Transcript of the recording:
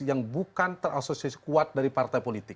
yang bukan terasosiasi kuat dari partai politik